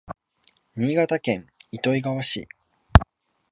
新潟県糸魚川市